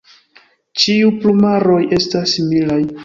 Ĉiu plumaroj estas similaj.